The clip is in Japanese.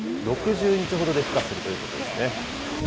６０日ほどでふ化するということですね。